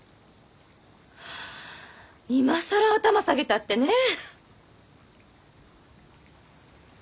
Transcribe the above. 今更頭下げたってねえ！